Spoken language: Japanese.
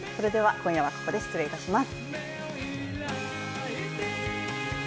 今夜はここで失礼いたします。